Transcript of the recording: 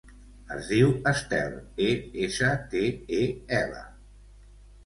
Es diu Estel: e, essa, te, e, ela.